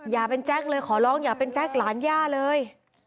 อย่าเป็นแจ๊คเลยขอร้องอย่าเป็นแจ๊คหลานย่าเลย